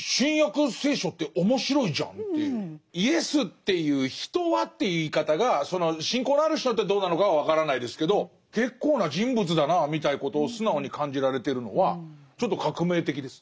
「イエスっていう人は」という言い方がその信仰のある人にとってどうなのかは分からないですけど結構な人物だなみたいなことを素直に感じられてるのはちょっと革命的です。